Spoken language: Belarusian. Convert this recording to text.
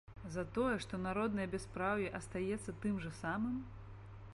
За тое, што народнае бяспраўе астаецца тым жа самым?